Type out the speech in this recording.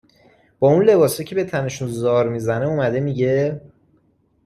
با اون لباسا که به تنشون زار می زنه، اومده می گه